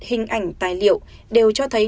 hình ảnh tài liệu đều cho thấy